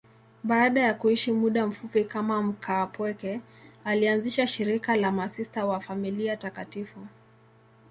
Baada ya kuishi muda mfupi kama mkaapweke, alianzisha shirika la Masista wa Familia Takatifu.